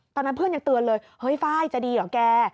ตอนนั้นเพื่อนยังเตือนเลยเฮ้ยไฟล์จะดีเหรอแก